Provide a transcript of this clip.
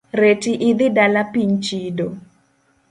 Reti idhi dala piny chido.